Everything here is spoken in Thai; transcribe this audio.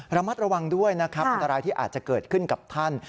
ระมัดระวังด้วยนะครับอันตรายที่อาจจะเกิดขึ้นกับท่าน